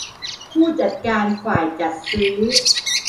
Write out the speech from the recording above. ผู้จัดการฝ่ายจัดซื้อ